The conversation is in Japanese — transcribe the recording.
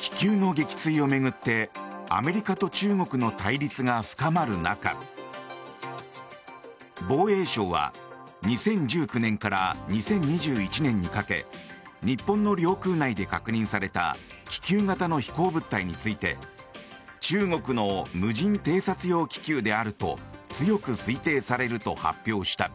気球の撃墜を巡ってアメリカと中国の対立が深まる中防衛省は２０１９年から２０２１年にかけ日本の領空内で確認された気球型の飛行物体について中国の無人偵察用気球であると強く推定されると発表した。